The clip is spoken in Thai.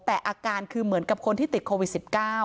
แต่อาการคือเหมือนกับคนที่ติดโควิด๑๙